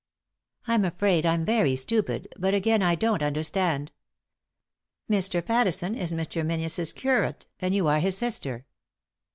"I'm afraid I'm very stupid, but again I don't understand. Mr. Pattison is Mr. Menzies' curate, and you are his sister."